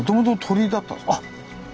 あっ。